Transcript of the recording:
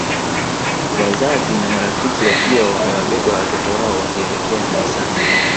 Wazazi na marafiki wakiwa wamewabeba watoto wao wakielekea Kanisani